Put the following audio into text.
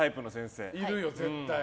いるよ絶対。